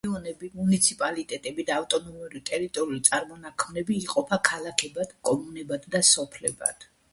რაიონები, მუნიციპალიტეტები და ავტონომური ტერიტორიული წარმონაქმნები იყოფა ქალაქებად, კომუნებად და სოფლებად.